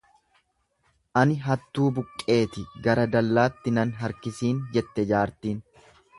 Ani hattuu buqqeeti gara dallaatti nan harkisiin jette jaartiin.